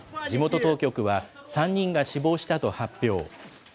地元当局は、３人が死亡したと発表。